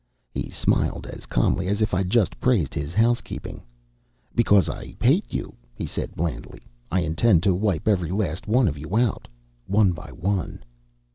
He smiled, as calmly as if I'd just praised his house keeping. "Because I hate you," he said blandly. "I intend to wipe every last one of you out, one by one."